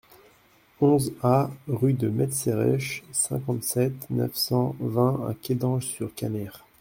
onze A rue de Metzeresche, cinquante-sept, neuf cent vingt à Kédange-sur-Canner